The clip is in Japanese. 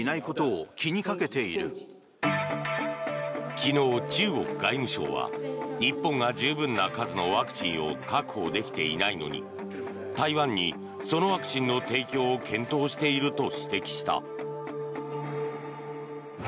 昨日、中国外務省は日本が十分な数のワクチンを確保できていないのに台湾にそのワクチンの提供を検討していると指摘した。